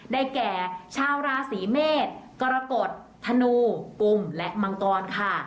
ได้แก่ชาวราศีเมษกรกฎธนูปุมและมังกรค่ะ